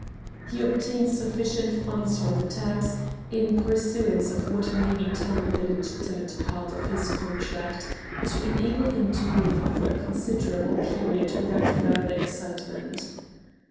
He obtained sufficient funds from the Turks, in pursuance of what may be termed the legitimate part of his contract, to enable him to live for a considerable period without further excitement.